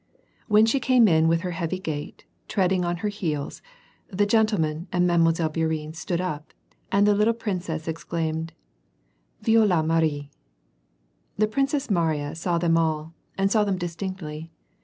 When she came in with her heavy gait, treading on her heels, the gentlemen and Mile. Bourienne stood up, and the little princess exclaimed, " Voila Marie /" The Princess Mariya saw them all, and saw them distinctly.